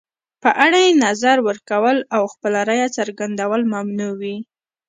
په اړه یې نظر ورکول او خپله رایه څرګندول ممنوع وي.